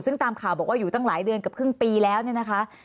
ซึ่งตามข่าวบอกว่าอยู่ตั้งหลายเดือนกับครึ่งปีแล้วเนี่ยนะคะ